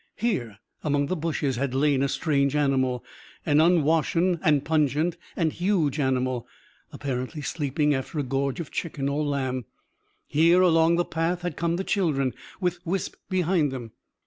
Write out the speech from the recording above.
Here among the bushes had lain a strange animal; an unwashen and pungent and huge animal; apparently sleeping after a gorge of chicken or lamb. Here, along the path, had come the children, with Wisp behind them.